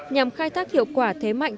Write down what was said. nhằm khai thác hiệu quả thế mạnh